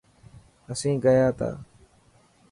اسين گيا ٿا.